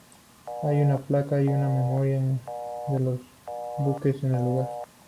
Hay una placa y un memorial de los buques en el lugar.